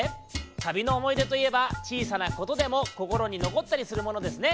旅のおもいでといえばちいさなことでもこころにのこったりするものですね。